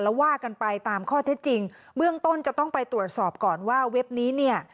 แล้วว่ากันไปตามข้อเท็จจริงเบื้องต้นจะต้องไปตรวจสอบก่อนว่าเว็บนี้เนี่ย